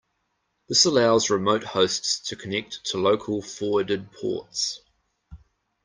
This allows remote hosts to connect to local forwarded ports.